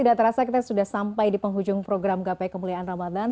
tidak terasa kita sudah sampai di penghujung program gapai kemuliaan ramadhan